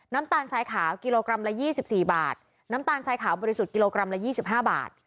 น้ำตาลซายขาวกิโลกรัมละยี่สิบสี่บาทน้ำตาลซายขาวบริสุทธิ์กิโลกรัมละยี่สิบห้าบาท